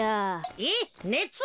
えっねつ！？